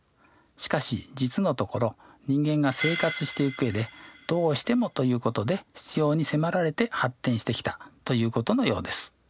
しかし実のところ人間が生活していく上でどうしてもということで必要に迫られて発展してきたということのようです。